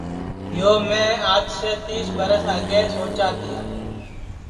یو میں آج سے تیس برس آگے سوچا تیا